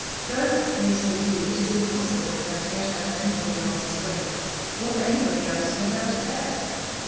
Going at the pace they do, it is impossible for them to get out of anybody else's way, or for anybody else to get out of theirs.